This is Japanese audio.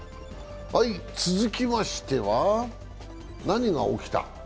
続きましては何が起きた？